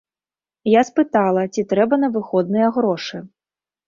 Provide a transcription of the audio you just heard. Я спытала, ці трэба на выходныя грошы?